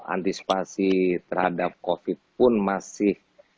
antisipasi terhadap covid pun masih